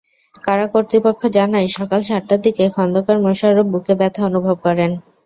কারা কর্তৃপক্ষ জানায়, সকাল সাতটার দিকে খন্দকার মোশাররফ বুকে ব্যথা অনুভব করেন।